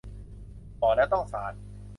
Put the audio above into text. ก่อแล้วต้องสาน